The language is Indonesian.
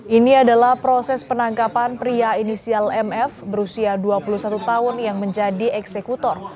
ini adalah proses penangkapan pria inisial mf berusia dua puluh satu tahun yang menjadi eksekutor